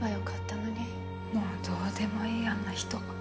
もうどうでもいいあんな人。